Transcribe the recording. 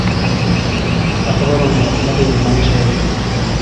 اخبارونے احمد اے° دکان شی آشوں۔